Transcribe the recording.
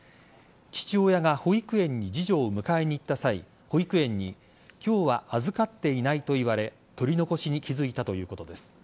父親が保育園に次女を迎えに行った際保育園に今日は預かっていないと言われ取り残しに気づいたということです。